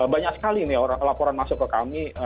banyak sekali nih laporan masuk ke kami